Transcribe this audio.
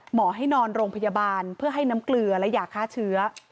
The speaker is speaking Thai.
หมอให้นอนโรงพยาบาลเพื่อให้น้ำเกลือและยาฆ่าเชื้อ